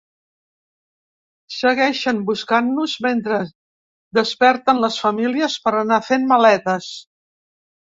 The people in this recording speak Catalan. Segueixen buscant-nos mentre desperten les famílies per anar fent maletes.